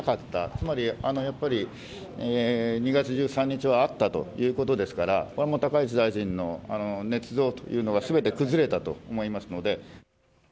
つまりやっぱり、２月１３日はあったということですから、これはもう、高市大臣のねつ造というのはすべて崩れたと思いますので。